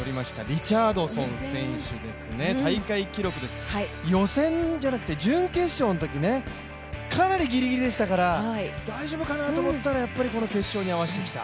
リチャードソン選手、大会記録です、準決勝のときかなりギリギリでしたから大丈夫かなと思ったらやっぱりこの決勝に合わせてきた。